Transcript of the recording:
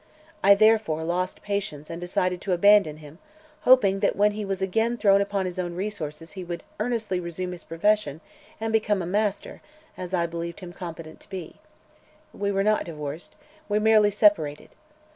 I therefore lost patience and decided to abandon him, hoping that when he was again thrown upon his own resources he would earnestly resume his profession and become a master, as I believed him competent to be. We were not divorced: we merely separated.